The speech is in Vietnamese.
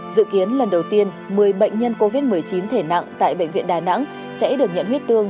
dự kiến lần đầu tiên một mươi bệnh nhân covid một mươi chín thể nặng tại bệnh viện đà nẵng sẽ được nhận huyết tương